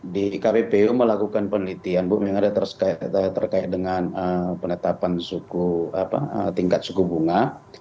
di kppu melakukan penelitian bu yang ada terkait dengan penetapan tingkat suku bunga